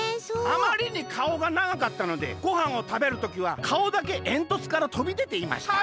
「あまりにかおがながかったのでごはんをたべる時はかおだけえんとつからとびでていました」。